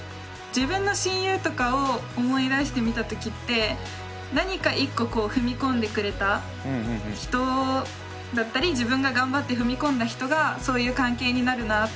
自分の親友とかを思い出してみたときって何か１個こう踏み込んでくれた人だったり自分が頑張って踏み込んだ人がそういう関係になるなあと。